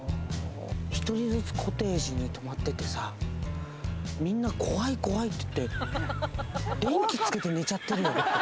１人ずつコテージに泊まっててさ、みんな、怖い、怖いって言って、電気つけて寝ちゃってるよ。